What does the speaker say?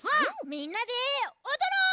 みんなでおどろう！